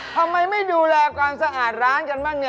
ทำไมไม่ดูแลความสะอาดร้านกันบ้างเนี่ย